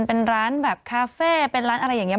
เป็นร้านแบบคาเฟ่เป็นร้านอะไรอย่างนี้